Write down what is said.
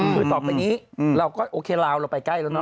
คือต่อไปนี้เราก็โอเคลาวเราไปใกล้แล้วเน